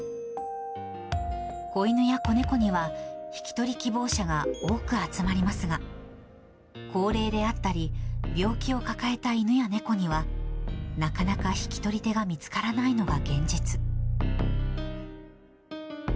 子犬や子猫には、引き取り希望者が多く集まりますが、高齢であったり、病気を抱えた犬や猫には、なかなか引き取り手が見つからないのが現実。